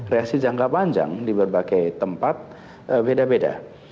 reaksi jangka panjang di berbagai tempat beda beda